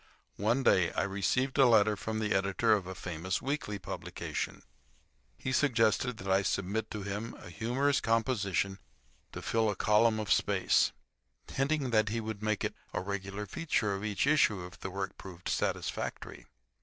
One day I received a letter from the editor of a famous weekly publication. He suggested that I submit to him a humorous composition to fill a column of space; hinting that he would make it a regular feature of each issue if the work proved satisfactory.